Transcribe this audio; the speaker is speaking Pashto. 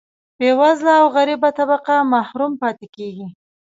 بیوزله او غریبه طبقه محروم پاتې کیږي.